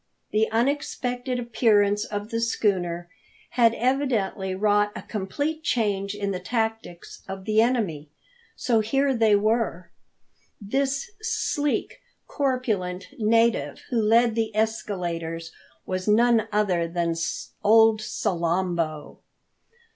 The unexpected appearance of the schooner had evidently wrought a complete change in the tactics of the enemy. So here they were. This sleek, corpulent native who led the escaladers was none other than old Salambo!